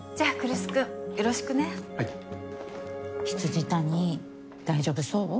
未谷大丈夫そう？